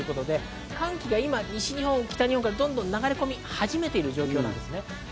寒気が今、西日本、北日本からどんどん流れ込み始めている状況です。